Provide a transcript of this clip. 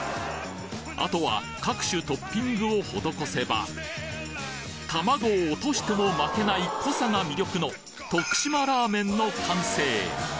あとは各種トッピングをほどこせば卵を落としても負けない濃さが魅力の徳島ラーメンの完成！